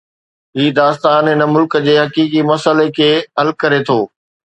هي داستان هن ملڪ جي حقيقي مسئلي کي حل ڪري ٿو.